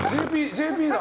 ＪＰだ！